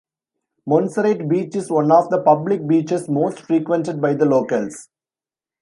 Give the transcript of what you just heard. Monserrate Beach is one of the public beaches most frequented by the locals.